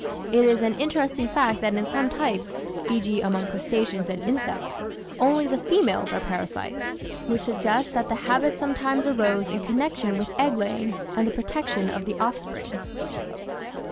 It is an interesting fact that in some types, e.g., among crustaceans and insects, only the females are parasites, which suggests that the habit sometimes arose in connection with egg laying and the protection of the offspring.